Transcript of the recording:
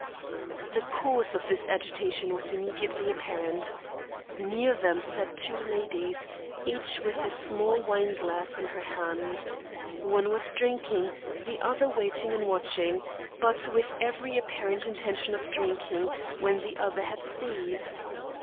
The cause of this agitation was immediately apparent. Near them sat two ladies, each with a small wine glass in her hand. One was drinking, the other waiting and watching, but with every apparent intention of drinking when the other had ceased.